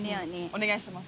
お願いします。